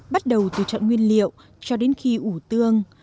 bắt đầu từ chọn nguyên liệu cho đến khi ủ tương